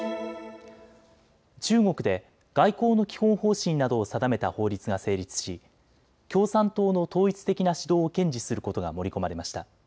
中国で外交の基本方針などを定めた法律が成立し、共産党の統一的な指導を堅持することが盛り込まれました。